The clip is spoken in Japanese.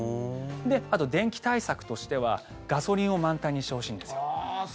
あと、電気対策としてはガソリンを満タンにしてほしいんですよ。